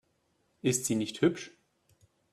Ist sie nicht hübsch?